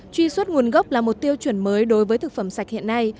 truy xuất nguồn gốc là một tiêu chuẩn mới đối với thực phẩm sạch hiện nay